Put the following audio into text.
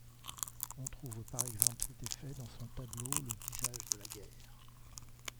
On trouve par exemple cet effet dans son tableau Le Visage de la guerre.